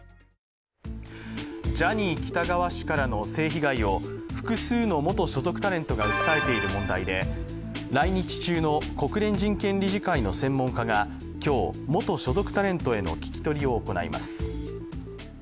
ジャニー喜多川氏からの性被害を複数の元所属タレントが訴えている問題で来日中の国連人権理事会の専門家が今日、元所属タレントへの聞き取りを行います。